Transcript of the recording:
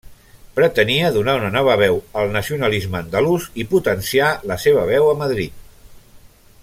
Pretenia donar una nova veu al nacionalisme andalús i potenciar la seva veu a Madrid.